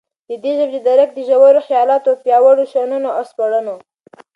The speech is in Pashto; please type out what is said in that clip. ددي ژبي ددرک دژورو خیالاتو او پیاوړو شننو او سپړنو